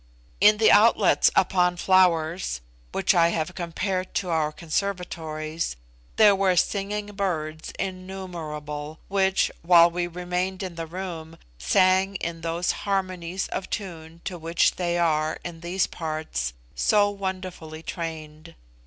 In the outlets upon flowers (which I have compared to our conservatories) there were singing birds innumerable, which, while we remained in the room, sang in those harmonies of tune to which they are, in these parts, so wonderfully trained.